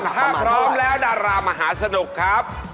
ถ้าพร้อมแล้วดารามหาสนุกครับ